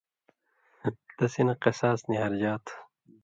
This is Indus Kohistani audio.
تسی نہ قِصاص نی ہرژا تُھُو